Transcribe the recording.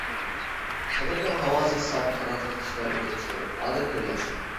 كەنتنىڭ ھاۋاسى ساپ، تالانتلىق كىشىلەر كۆپ چىقىدۇ، ئادەملىرى ياخشى.